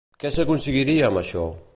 Què s'aconseguiria amb això?